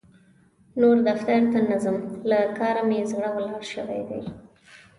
نور دفتر ته نه ځم؛ له کار مې زړه ولاړ شوی دی.